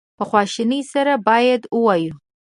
په خواشینی سره باید ووایو.